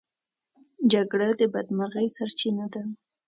جګړه د بدمرغۍ سرچينه ده.